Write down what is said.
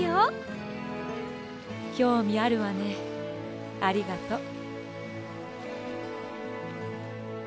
きょうみあるわねありがとう。